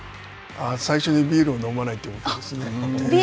最初にビールを飲まないということですね。